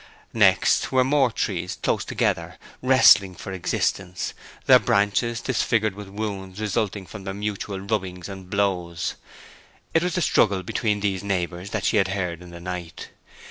Next were more trees close together, wrestling for existence, their branches disfigured with wounds resulting from their mutual rubbings and blows. It was the struggle between these neighbors that she had heard in the night.